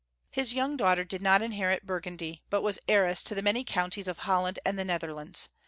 His yoimg daughter did not inherit Burgundy, but was heiress to the many counties of Holland and the Netherlands.